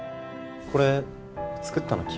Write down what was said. これ作ったの君？